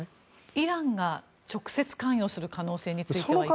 イランが直接関与する可能性についてはいかがですか？